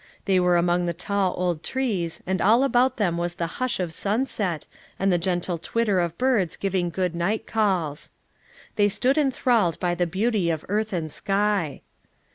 They were among the tall old trees and all about them was the hush of sunset, and the gentle twitter of birds giving good night calls. They stood enthralled by the beauty of earth and sky.